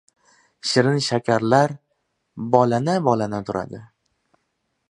Shirin-shakarlar bollana-bollana turadi.